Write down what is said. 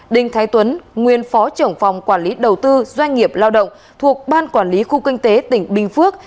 đinh thái tuấn nguyên phó trưởng phòng quản lý đầu tư doanh nghiệp lao động thuộc ban quản lý khu kinh tế tỉnh bình phước